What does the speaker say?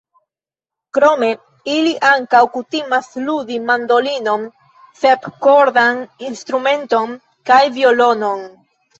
Krome, ili ankaŭ kutimas ludi mandolinon, sepkordan instrumenton kaj violonon.